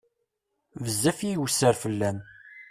Bezzef i iwesser fell-am.